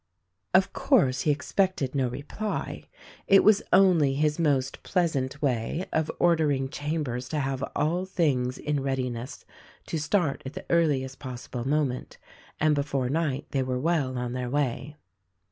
Of course he expected no reply. It was only his most pleasant way of ordering Chambers to have all things in readiness to start at the earliest possible moment, and be fore night they were well on their way.